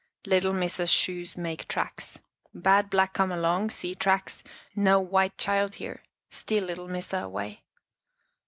" Little Missa's shoes make tracks. Bad Black come long, see tracks, know white child here, steal little Missa away."